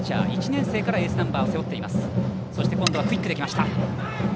１年生からエースナンバーを背負っています。